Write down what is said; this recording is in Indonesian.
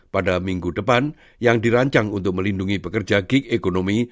pada minggu depan yang dirancang untuk melindungi pekerja gig economy